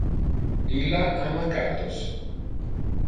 Illa ama cattos.